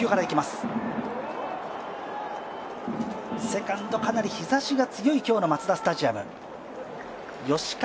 セカンド、かなり日ざしが強い今日のマツダスタジアム。